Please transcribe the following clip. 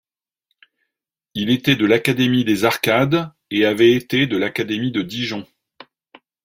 Il était de l’académie des Arcades, et avait été de l’académie de Dijon.